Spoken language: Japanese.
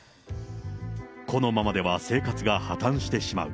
このままでは生活が破綻してしまう。